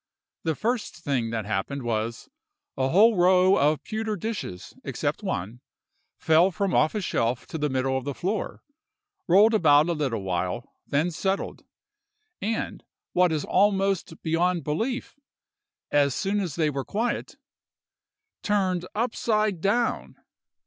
The first thing that happened was, a whole row of pewter dishes, except one, fell from off a shelf to the middle of the floor, rolled about a little while, then settled; and, what is almost beyond belief, as soon as they were quiet, turned upside down!